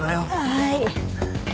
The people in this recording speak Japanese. はい。